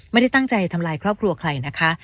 ไม่ได้ตั้งใจทำลายครอบครัวใครนะคะ